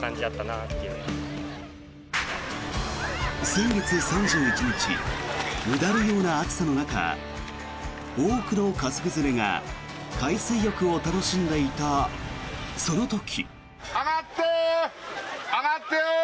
先月３１日うだるような暑さの中多くの家族連れが海水浴を楽しんでいたその時。